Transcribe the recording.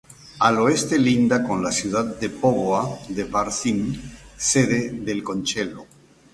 Al oeste linda con la ciudad de Póvoa de Varzim, sede del "concelho".